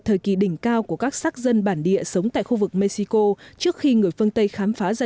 thời kỳ đỉnh cao của các sắc dân bản địa sống tại khu vực mexico trước khi người phương tây khám phá ra